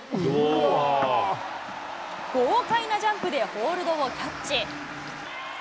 豪快なジャンプでホールドをキャッチ。